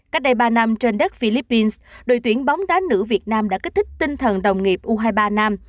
cách đây ba năm trên đất philippines đội tuyển bóng đá nữ việt nam đã kích thích tinh thần đồng nghiệp u hai mươi ba nam